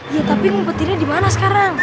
iya tapi kumpetinnya dimana sekarang